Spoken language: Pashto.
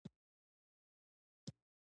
د افغانستان طبیعت له اوږده غرونه څخه جوړ شوی دی.